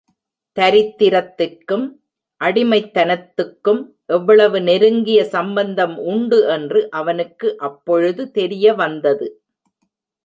தரித்திரத்திற்கும் அடிமைத்தனத்துக்கும் எவ்வளவு நெருங்கிய சம்பந்தம் உண்டு என்று அவனுக்கு அப்பொழுது தெரிய வந்தது.